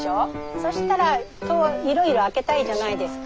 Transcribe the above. そしたら戸をいろいろ開けたいじゃないですか。